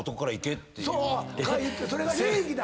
それが礼儀だと。